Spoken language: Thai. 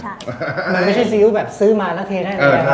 มันไม่ใช่ซิอิ้วแบบซื้อมาแล้วเทได้นะครับ